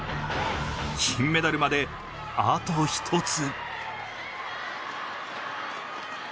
金メダルまであと１つ。